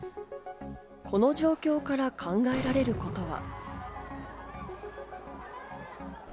この状況から考えられることは？